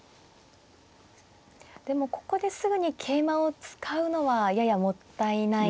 でもここですぐに桂馬を使うのはややもったいない。